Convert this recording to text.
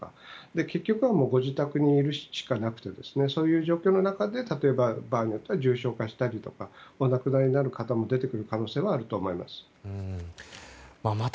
結局、ご自宅にいるしかなくてそういう状況の中で重症化したりとかお亡くなりになる方も出てくる可能性はあると思います。